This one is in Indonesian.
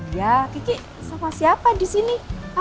iya kiki sama siapa disini